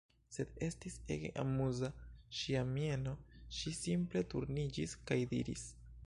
Sed, estis ege amuza, ŝia mieno, ŝi simple turniĝis kaj diris: